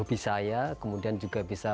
hobi saya kemudian juga bisa